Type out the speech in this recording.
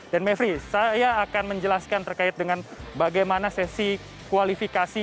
dan mevri saya akan menjelaskan terkait dengan bagaimana sesi kualifikasi